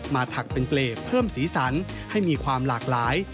ถักเป็นเปรตเพิ่มสีสันให้มีความหลากหลาย